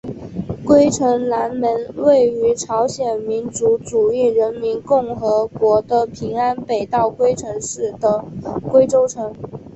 龟城南门位于朝鲜民主主义人民共和国的平安北道龟城市的龟州城。